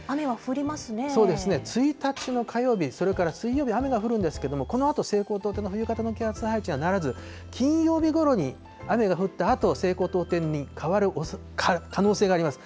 そうですね、１日の火曜日、それから水曜日、雨が降るんですけれども、このあと西高東低の冬型の気圧配置にはならず、金曜日ごろに雨が降ったあと、西高東低に変わる可能性があります。